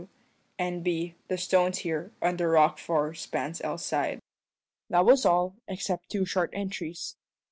N.W. N.B. The stones here, under rock 4 spans L side. That was all, except two short entries.